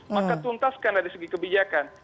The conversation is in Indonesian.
maka tuntaskan dari segi kebijakan